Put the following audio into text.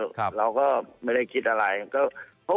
ฟุตบอลกำลังดีอยู่